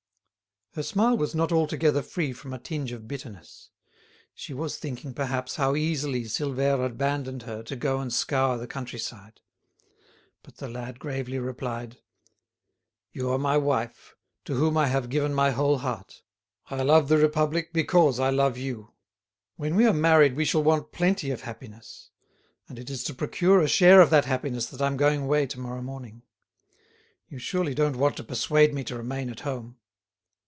Her smile was not altogether free from a tinge of bitterness. She was thinking, perhaps, how easily Silvère abandoned her to go and scour the country side. But the lad gravely replied: "You are my wife, to whom I have given my whole heart. I love the Republic because I love you. When we are married we shall want plenty of happiness, and it is to procure a share of that happiness that I'm going way to morrow morning. You surely don't want to persuade me to remain at home?"